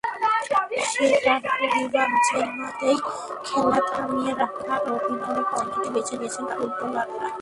সেটার প্রতিবাদ জানাতেই খেলা থামিয়ে রাখার অভিনব পন্থাটি বেছে নিয়েছেন ফুটবলাররা।